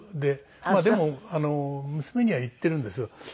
でも娘には言っているんですよ。